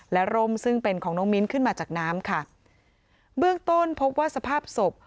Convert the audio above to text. และร่มซึ่งเป็นของน้องมิ้นขึ้นมาจากน้ำค่ะเบื้องต้นพบว่าสภาพศพ